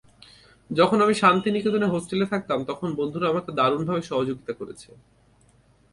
যখন আমি শান্তিনিকেতনে হোস্টেলে থাকতাম, তখন বন্ধুরা আমাকে দারুণভাবে সহযোগিতা করেছে।